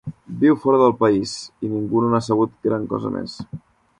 Viu fora del país i ningú no n'ha sabut gran cosa més.